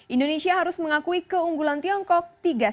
indonesia harus mengakui keunggulan tiongkok tiga satu